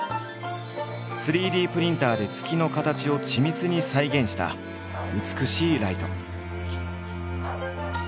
３Ｄプリンターで月の形を緻密に再現した美しいライト。